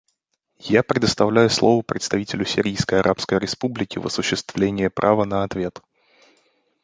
Я предоставляю слово представителю Сирийской Арабской Республики в осуществление права на ответ.